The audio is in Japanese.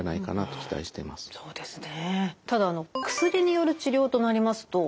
そうですね。